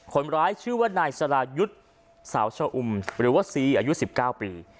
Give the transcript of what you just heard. คนร้ายชื่อว่านายสรายุทธ์สาวชะอุ่มหรือว่าซีอายุ๑๙ปี